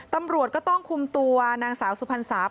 ตำรวจก็ต้องคุมตัวนางสาวสุพรรษา